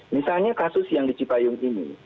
misalnya kasus yang di cipayung ini